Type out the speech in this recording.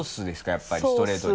やっぱりストレートに。